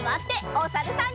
おさるさん。